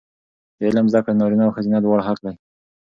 د علم زده کړه د نارینه او ښځینه دواړو حق دی.